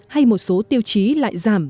hay một số tiêu chí lại giảm